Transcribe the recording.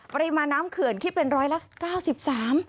ปริมาณน้ำเขื่อนคิดเป็นร้อยละ๙๓